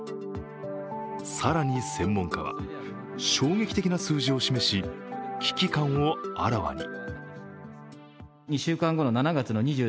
更に専門家は、衝撃的な数字を示し危機感をあらわに。